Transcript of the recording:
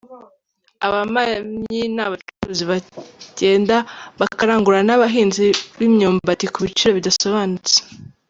Abamamyi ni abacuruzi bagenda bakarangura n’abahinzi b’imyumbati ku biciro bidasobanutse.